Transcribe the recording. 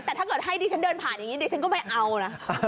แต่ถ้าเกิดให้ดิฉันเดินผ่านอย่างนี้ดิฉันก็ไม่เอานะ